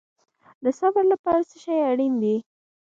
د صبر لپاره څه شی اړین دی؟